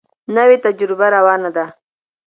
نوې تجربه روانه ده.